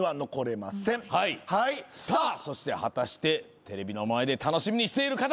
そして果たしてテレビの前で楽しみにしている方。